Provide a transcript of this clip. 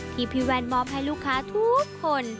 พี่แว่นมอบให้ลูกค้าทุกคน